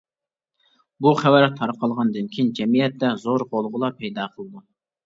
بۇ خەۋەر تارقالغاندىن كېيىن، جەمئىيەتتە زور غۇلغۇلا پەيدا قىلىدۇ.